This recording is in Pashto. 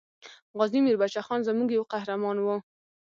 غازي میر بچه خان زموږ یو قهرمان وو.